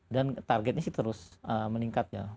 dan targetnya sih terus meningkat ya